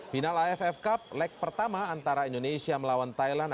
final aff cup leg pertama antara indonesia melawan thailand